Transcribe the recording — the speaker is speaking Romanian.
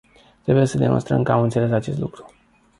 Trebuie să demonstrăm că am înțeles acest lucru.